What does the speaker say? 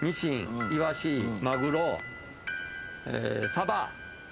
サバ。